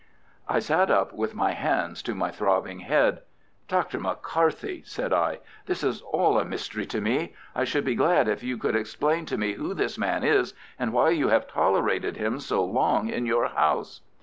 I sat up with my hands to my throbbing head. "Dr. McCarthy," said I, "this is all a mystery to me. I should be glad if you could explain to me who this man is, and why you have tolerated him so long in your house."